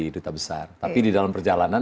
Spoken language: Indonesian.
duta besar tapi di dalam perjalanan